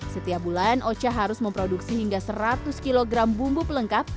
setiap bulan ocha harus memproduksi hingga seratus kg bumbu pelengkap